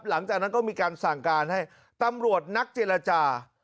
หลังจากนั้นก็มีการสั่งการให้ตำรวจนักเจรจา